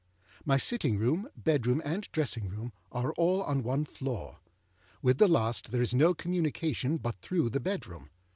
My sitting room, bedroom, and dressing room, are all on one floor. With the last there is no communication but through the bedroom.